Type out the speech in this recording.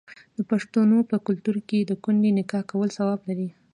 د پښتنو په کلتور کې د کونډې نکاح کول ثواب دی.